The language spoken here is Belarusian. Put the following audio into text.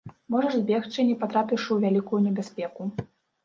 Можаш збегчы, не патрапіўшы ў вялікую небяспеку?